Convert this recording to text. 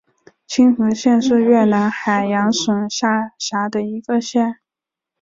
青河县是越南海阳省下辖的一个县。